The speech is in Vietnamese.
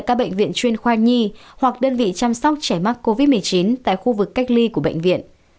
các bệnh viện chuyên khoa nhi hoặc đơn vị chăm sóc trẻ mắc covid một mươi chín tại khu vực cách ly của bệnh viện